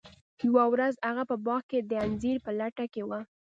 یوه ورځ هغه په باغ کې د انځر په لټه کې و.